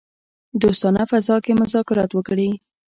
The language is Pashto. دوستانه فضا کې مذاکرات وکړي.